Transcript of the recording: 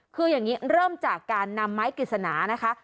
คืออย่างนี้เริ่มจากการนำไม้กฤษณานะคะ